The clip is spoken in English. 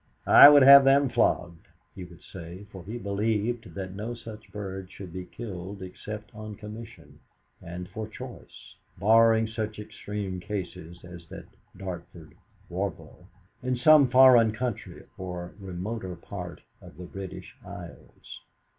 "I would have them flogged," he would say, for he believed that no such bird should be killed except on commission, and for choice barring such extreme cases as that Dartford Warbler in some foreign country or remoter part of the British Isles.